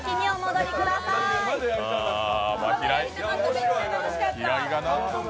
めっちゃ楽しかった。